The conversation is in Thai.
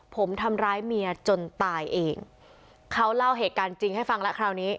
ผมทำร้ายเมียจนตายเองเขาเล่าเหตุการณ์จริงให้ฟังแล้วคราวนี้